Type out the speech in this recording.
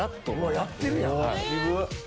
やってるやん。